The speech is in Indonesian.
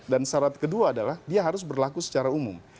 dan syarat kedua adalah dia harus berlaku secara umum